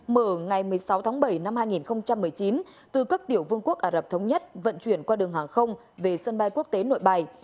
mở ngày một mươi sáu tháng bảy năm hai nghìn một mươi chín từ các tiểu vương quốc ả rập thống nhất vận chuyển qua đường hàng không về sân bay quốc tế nội bài